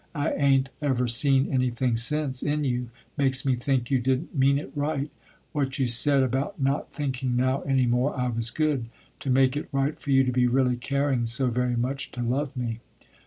I ain't ever seen anything since in you, makes me think you didn't mean it right, what you said about not thinking now any more I was good, to make it right for you to be really caring so very much to love me."